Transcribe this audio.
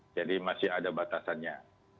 jadi masih ada batasannya